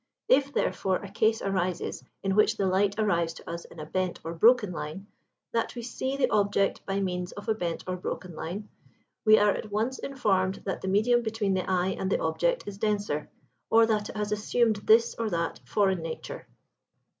If, therefore, a case arises in which the light arrives to us in a bent or broken line, that we see the object by means of a bent or broken line, we are at once informed that the medium between the eye and the object is denser, or that it has assumed this or that foreign nature.